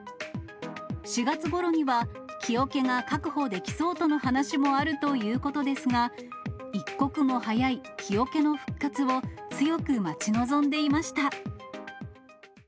４月ごろには木おけが確保できそうとの話もあるということですが、一刻も早い、木おけの復活を強く待ち望んでいました。